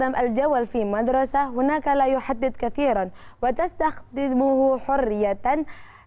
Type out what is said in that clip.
boleh keren keren